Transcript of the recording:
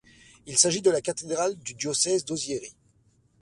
Il s'agit de la cathédrale du diocèse d'Ozieri.